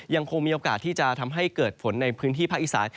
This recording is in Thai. ยังคงมีโอกาสที่จะทำให้เกิดฝนในพื้นที่ภาคอีสาน